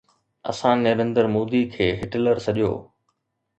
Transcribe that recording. اسان نريندر مودي کي هٽلر سڏيو.